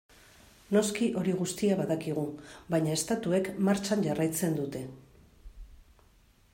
Noski hori guztia badakigu, baina estatuek martxan jarraitzen dute.